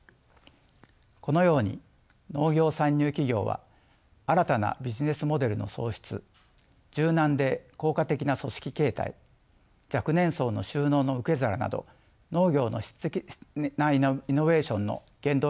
このように農業参入企業は新たなビジネスモデルの創出柔軟で効果的な組織形態若年層の就農の受け皿など農業の質的なイノベーションの原動力ともなっています。